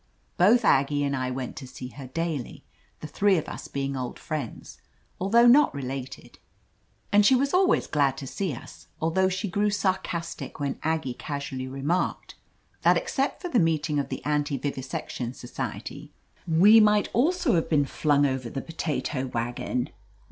Both Aggie and I went to see her daily, the three of us being old friends, although not related^ and she was always glad to see us, al 3 THE AMAZING ADVENTURES though she grew sarcastic when Aggie* cas ually remarked that except for the meeting of the anti vivisection society, we might also have been flung over the potato wagon.